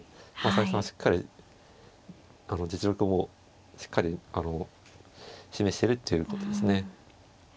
佐々木さんはしっかりあの実力もしっかり示してるっていうことですね。